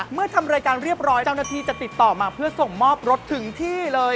ทำรายการเรียบร้อยเจ้าหน้าที่จะติดต่อมาเพื่อส่งมอบรถถึงที่เลย